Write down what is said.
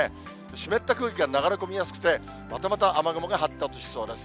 湿った空気が流れ込みやすくて、またまた雨雲が発達しそうです。